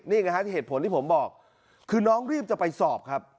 นี่ไงฮะเหตุผลที่ผมบอกคือน้องรีบจะไปสอบครับ